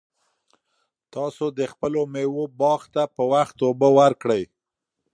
تاسو د خپلو مېوو باغ ته په وخت اوبه ورکړئ.